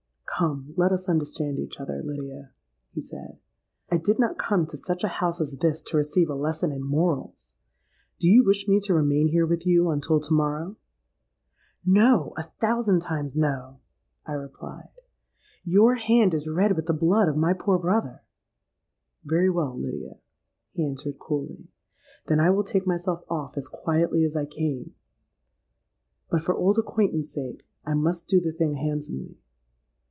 '—'Come, let us understand each other, Lydia,' he said. 'I did not come to such a house as this to receive a lesson in morals. Do you wish me to remain here with you until to morrow?'—'No: a thousand times no,' I replied. 'Your hand is red with the blood of my poor brother.'—'Very well, Lydia,' he answered coolly; 'then I will take myself off as quietly as I came. But for old acquaintance' sake I must do the thing handsomely.'